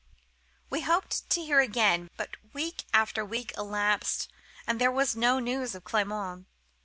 We hoped to hear again; but week after week elapsed, and there was no news of Clement.